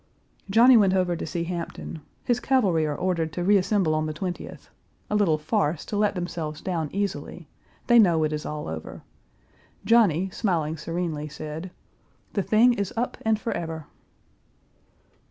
Johnny went over to see Hampton. His cavalry are ordered Page 389 to reassemble on the 20th a little farce to let themselves down easily; they know it is all over. Johnny, smiling serenely, said, "The thing is up and forever."